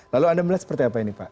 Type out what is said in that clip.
lalu anda melihat seperti apa ini pak